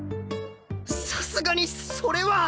さすがにそれは！